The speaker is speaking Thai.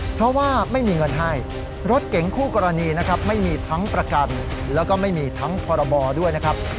เพราะว่าไม่มีเงินให้รถเก๋งคู่กรณีนะครับไม่มีทั้งประกันแล้วก็ไม่มีทั้งพรบด้วยนะครับ